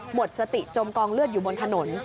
หมดสติจมกองเลือดอยู่บนถนน